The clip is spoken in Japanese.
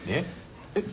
えっ？